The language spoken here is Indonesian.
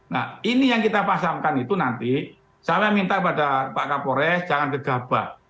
nah ini yang kita pasangkan itu nanti saya minta pada pak kapolres jangan gegabah